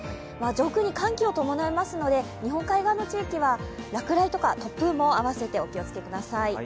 上空に寒気を伴いますので、日本海側の地域は落雷とか突風も合わせてお気をつけください。